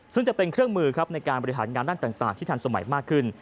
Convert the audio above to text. ซึ่งจะเป็นเครื่องมือครับในการบริหารงานด้านต่างที่ทันสมัยมากขึ้น